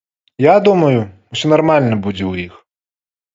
Я думаю, усё нармальна будзе ў іх.